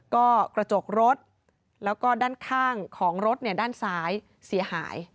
ก็กระจกรถแล้วก็ด้านข้างของรถด้านซ้ายเสียหาย